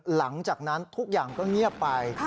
หลังจากนั้นทุกอย่างก็เงียบไป